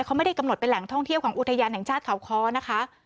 เขาไม่ได้กำหนดเป็นแหล่งท่องเที่ยวของอุทยานแห่งชาติเขาค้อนะคะ